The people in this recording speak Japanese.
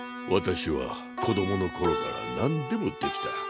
私は子供の頃から何でもできた。